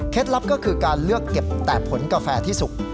ลับก็คือการเลือกเก็บแต่ผลกาแฟที่สุก